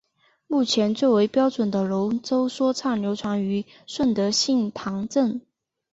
目前最为标准的龙舟说唱流传于顺德杏坛镇。